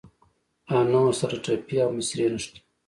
او نه ورسره ټپې او مصرۍ نښلي.